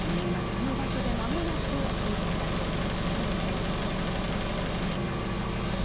この場所でまもなくプーチン大統領が演説を行います。